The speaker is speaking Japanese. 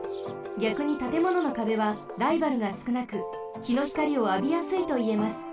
ぎゃくにたてもののかべはライバルがすくなくひのひかりをあびやすいといえます。